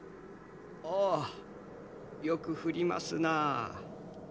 ああよく降りますなあ。